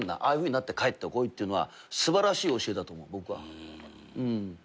ああいうふうになって帰ってこいっていうのは素晴らしい教えだと思う僕は。